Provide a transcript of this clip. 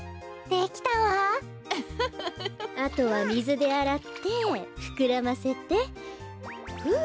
あとはみずであらってふくらませてふう！